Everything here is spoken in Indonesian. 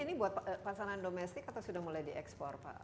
ini buat pasaran domestik atau sudah mulai diekspor pak